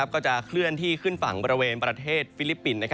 ก็จะเคลื่อนที่ขึ้นฝั่งบริเวณประเทศฟิลิปปินส์